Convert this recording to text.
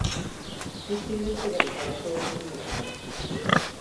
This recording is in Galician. Distínguense ben pola súa orixinalidade.